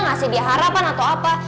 nggak sih dia harapan atau apa